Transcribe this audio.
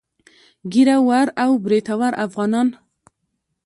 ږيره ور او برېتور افغانان.